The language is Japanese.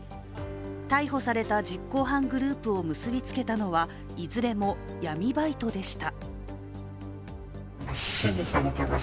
逮捕された実行犯グループを結びつけたのはいずれも闇バイトでした。